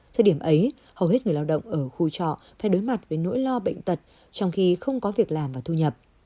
thời điểm ấy hầu hết người lao động ở khu trọ phải đối mặt với nỗi lo bệnh tật trong khi không có việc làm và thu nhập